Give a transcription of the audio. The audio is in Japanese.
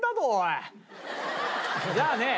じゃあね。